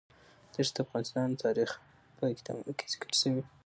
دښتې د افغان تاریخ په کتابونو کې ذکر شوی دي.